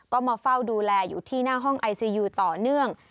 ก็มาเฝ้าดูแลอยู่ที่หน้าห้องไอซียูต่อเนื่อง